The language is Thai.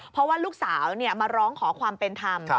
เพราะว่าลูกสาวมาร้องขอความเป็นธรรม